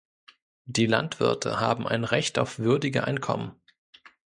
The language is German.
Die Landwirte haben ein Recht auf würdige Einkommen.